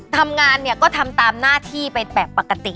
ทำงานเนี่ยก็ทำตามหน้าที่ไปแบบปกติ